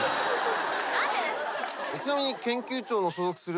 ちなみに。